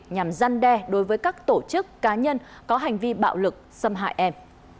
nhằm gian đe đối với các tổ chức cá nhân có hành vi bạo lực xâm hại em